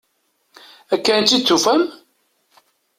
Akka i tt-id-tufam?